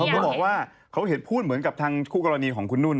เขาบอกว่าเขาเห็นพูดเหมือนกับทางคู่กรณีของคุณนุ่น